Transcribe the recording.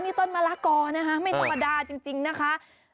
นี่ต้นมะละกอนะคะไม่ธรรมดาจริงนะคะ